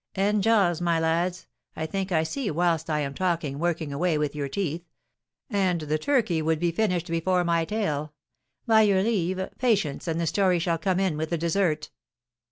"And jaws, my lads. I think I see you whilst I am talking working away with your teeth; and the turkey would be finished before my tale. By your leave, patience, and the story shall come in with the dessert."